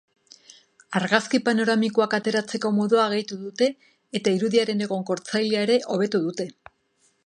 Argazki panoramikoak ateratzeko modua gehitu dute eta irudiaren egonkortzailea ere hobetu dute.